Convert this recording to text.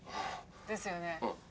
ですよね。